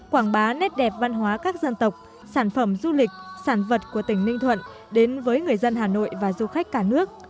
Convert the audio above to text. quảng bá nét đẹp văn hóa các dân tộc sản phẩm du lịch sản vật của tỉnh ninh thuận đến với người dân hà nội và du khách cả nước